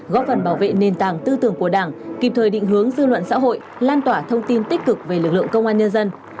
góp phần bảo vệ nền tảng tư tưởng của đảng kịp thời định hướng dư luận xã hội lan tỏa thông tin tích cực về lực lượng công an nhân dân